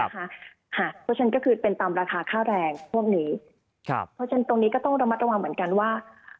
เพราะฉะนั้นก็คือเป็นตามราคาค่าแรงพวกนี้เพราะฉะนั้นตรงนี้ก็ต้องระมัดระวังเหมือนกันว่า